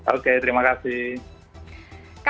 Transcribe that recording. oke terima kasih